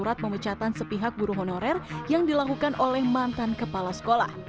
dan membuatnya surat memecatan sepihak guru honorer yang dilakukan oleh mantan kepala sekolah